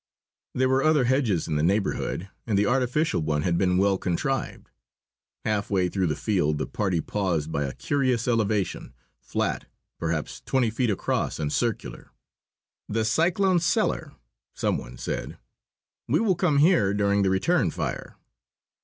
There were other hedges in the neighbourhood, and the artificial one had been well contrived. Halfway through the field the party paused by a curious elevation, flat, perhaps twenty feet across and circular. "The cyclone cellar!" some one said. "We will come here during the return fire."